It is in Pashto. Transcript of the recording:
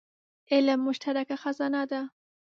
علم مشترکه خزانه ده.